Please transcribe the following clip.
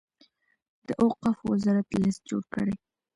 د اوقافو وزارت لست جوړ کړي.